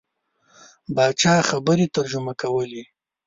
پاچا خبرې ترجمه کولې.